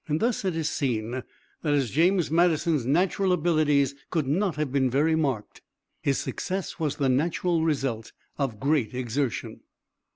Thus, it is seen, that as James Madison's natural abilities could not have been very marked, his success was the natural result of GREAT EXERTION.